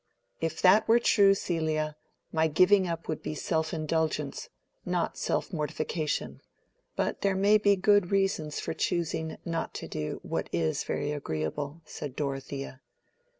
"If that were true, Celia, my giving up would be self indulgence, not self mortification. But there may be good reasons for choosing not to do what is very agreeable," said Dorothea.